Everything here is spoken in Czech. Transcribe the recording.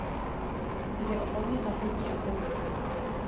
Jde o poměr napětí a proudu.